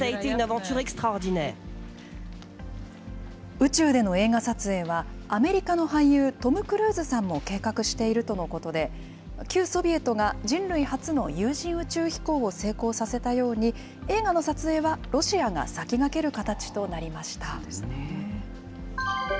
宇宙での映画撮影は、アメリカの俳優、トム・クルーズさんも計画しているとのことで、旧ソビエトが人類初の有人宇宙飛行を成功させたように、映画の撮影はロシアが先駆ける形となりました。